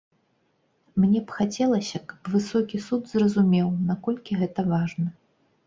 Мне б хацелася, каб высокі суд зразумеў, наколькі гэта важна.